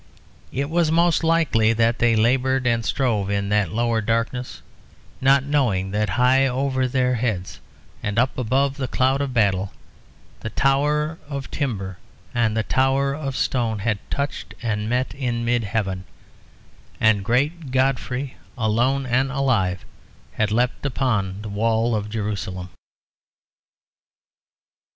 It was most likely that they laboured and strove in that lower darkness, not knowing that high over their heads, and up above the cloud of battle, the tower of timber and the tower of stone had touched and met in mid heaven; and great Godfrey, alone and alive, had leapt upon the wall of Jerusalem.